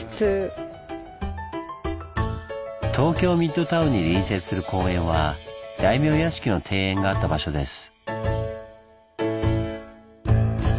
東京ミッドタウンに隣接する公園は大名屋敷の庭園があった場所です。